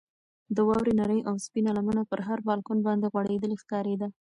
د واورې نرۍ او سپینه لمنه پر هر بالکن باندې غوړېدلې ښکارېده.